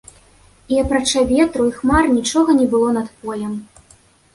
І апрача ветру і хмар нічога не было над полем.